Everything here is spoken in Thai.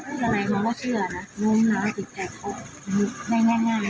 คนที่เงียบเก็บโปรดเรื่อยอย่างนี้เขาเป็นคนอย่างนี้